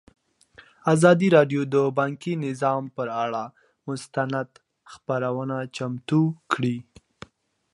ازادي راډیو د بانکي نظام پر اړه مستند خپرونه چمتو کړې.